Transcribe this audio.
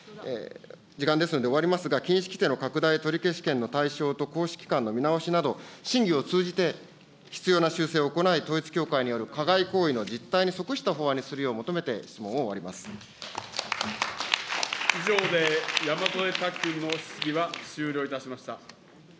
時間ですので終わりますが、禁止規定の対象と行使期間の見直しなど、審議を通じて必要な修正を行い、統一教会による加害行為の実態に即した法案にするよう求めて質問以上で山添拓君の質疑は終了